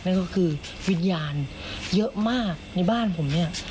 นั่นก็คือวิญญาณเยอะมากในบ้านผมเนี่ย